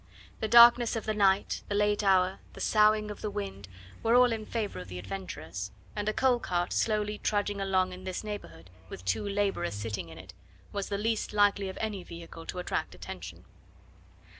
The darkness of the night, the late hour, the soughing of the wind, were all in favour of the adventurers; and a coal cart slowly trudging along in this neighbourhood, with two labourers sitting in it, was the least likely of any vehicle to attract attention.